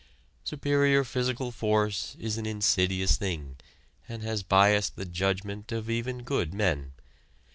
Superior physical force is an insidious thing, and has biased the judgment of even good men.